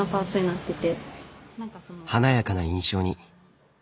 華やかな印象に。